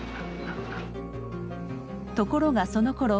ところがそのころ